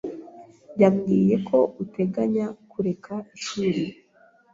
yambwiye ko uteganya kureka ishuri.